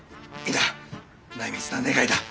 否内密な願いだ。